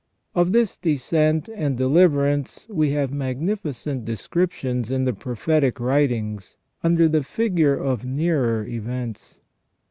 Of this descent and deliverance we have magnificent descriptions in the prophetic writings under the figure of nearer events.